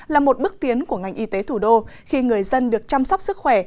là một bước tiến của ngành y tế thủ đô khi người dân được chăm sóc sức khỏe